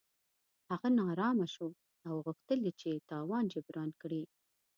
هغه نا ارامه شو او غوښتل یې چې تاوان جبران کړي.